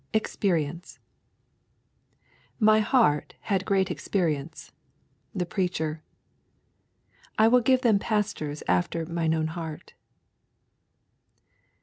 EXPERIENCE 'My heart had great experience.' The Preacher. 'I will give them pastors after Mine own heart.'